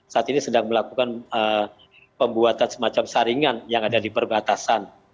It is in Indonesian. saat ini sedang melakukan pembuatan semacam saringan yang ada di perbatasan